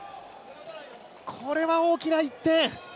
これは大きな１点。